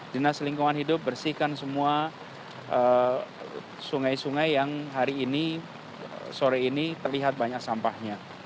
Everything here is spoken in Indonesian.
dinas lingkungan hidup bersihkan semua sungai sungai yang hari ini sore ini terlihat banyak sampahnya